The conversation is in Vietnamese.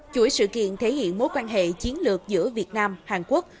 chuỗi sự kiện thể hiện mối quan hệ chiến lược giữa việt nam hàn quốc